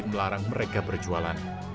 melarang mereka berjualan